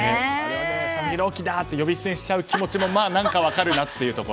佐々木朗希だ！って呼び捨てにしちゃう気持ちも何か分かるなってところ。